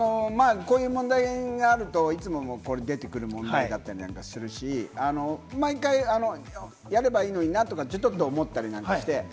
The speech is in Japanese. こういう問題があるといつも出てくる問題であったりするし、毎回、やればいいのになとかちょっと思ったりして。